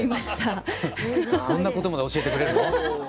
そんなことまで教えてくれるの？